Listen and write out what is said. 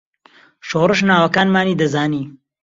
شۆڕش ناوەکانمانی دەزانی.